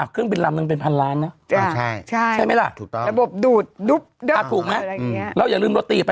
การจัดวางเนอะ